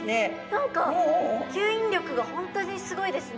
何か吸引力が本当にすごいですね。